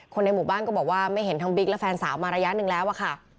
ในหมู่บ้านก็บอกว่าไม่เห็นทั้งบิ๊กและแฟนสาวมาระยะหนึ่งแล้วอะค่ะ